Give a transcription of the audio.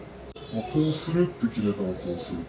こうするって決めたらこうする。